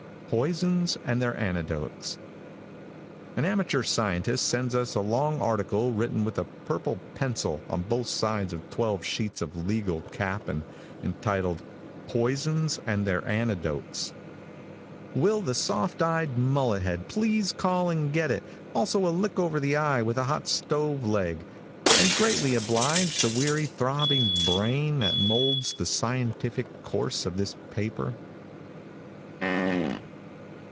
POISONS AND THEIR ANECDOTES. |AN amateur scientist sends us a long article written with a purple pencil on both sides of twelve sheets of legal cap, and entitled "Poisons and Their Anecdotes." Will the soft eyed mullet head please call and get it, also a lick over the eye with a hot stove leg, and greatly oblige the weary throbbing brain that, moulds the scientific course of this paper?